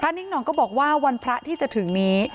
ทางนี้น้องก็บอกว่าวันพระที่จะถึงนี้